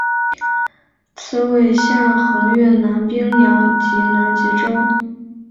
此纬线横越南冰洋及南极洲。